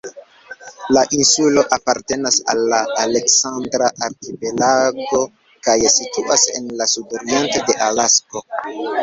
La insulo apartenas al la "Aleksandra arkipelago" kaj situas en la sudoriento de Alasko.